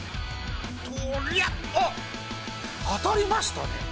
とーりゃ、おっ、当たりましたね。